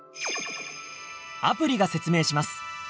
「アプリが説明します。